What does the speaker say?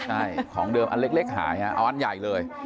ใช่ของเดิมอันเล็กหายเอาอันใหญ่เลย